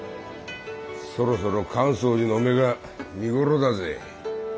そろそろ寛窓寺の梅が見頃だぜ。